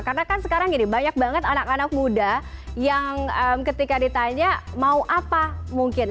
karena kan sekarang gini banyak banget anak anak muda yang ketika ditanya mau apa mungkin